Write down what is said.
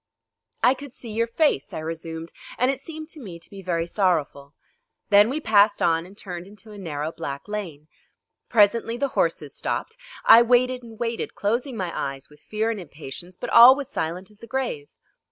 "I could see your face," I resumed, "and it seemed to me to be very sorrowful. Then we passed on and turned into a narrow black lane. Presently the horses stopped. I waited and waited, closing my eyes with ear and impatience, but all was silent as the grave.